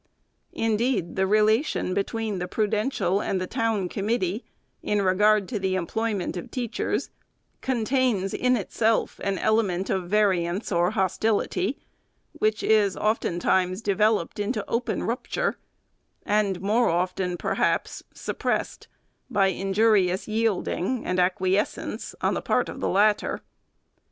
Indeed, the relation between the prudential and the town committee, in regard to the employment of teachers, con tains in itself an element of variance or hostility, which is oftentimes developed into open rupture, and more often, perhaps, suppressed, by injurious yielding and acquies FIRST ANNUAL REPORT. 395 cence on the part of the latter.